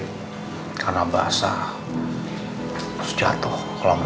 buat kalau ga luar